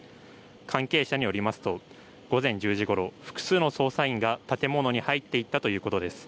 関係者によりますと午前１０時ごろ複数の捜査員が建物に入っていったということです。